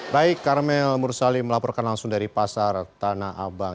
baik karmel mursali melaporkan langsung dari pasar tanah abang